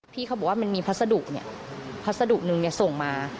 เขาบอกว่ามันมีพัสดุเนี่ยพัสดุนึงส่งมา